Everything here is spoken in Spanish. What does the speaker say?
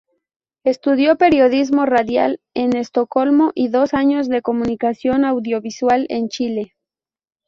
Estudió periodismo radial en Estocolmo y dos años de comunicación audiovisual en Chile.